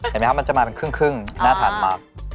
เห็นไหมครับมันจะมาเป็นครึ่งน่าทานมาก